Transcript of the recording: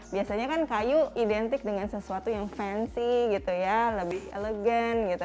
biasanya kan kayu identik dengan sesuatu yang fansy gitu ya lebih elegan gitu